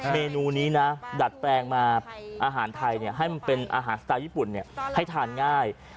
เมนูนี้นะดัดแปลงมาอาหารไทยให้มันเป็นอาหารสไตล์ญี่ปุ่นให้ทานง่าย